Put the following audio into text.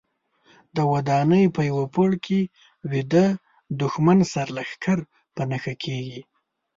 د ودانۍ په یوه پوړ کې ویده دوښمن سرلښکر په نښه کېږي.